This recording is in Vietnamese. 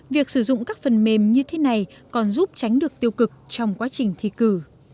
việc sử dụng các phần mềm như thế này còn giúp tránh được tiêu cực trong quá trình thi cử